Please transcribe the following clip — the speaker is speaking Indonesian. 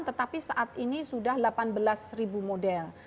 tetapi saat ini sudah delapan belas ribu model